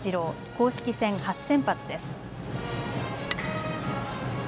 公式戦、初先発です。